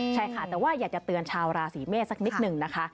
ใช่ค่ะแต่ว่าอยากจะเตือนชาวราศีเมษสักนิดหนึ่งนะคะ